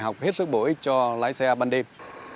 học hết sức bổ ích cho lái xe ban đêm